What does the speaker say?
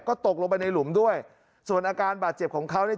ก็ตกลงไปในหลุมด้วยส่วนอาการบาดเจ็บของเขาเนี่ย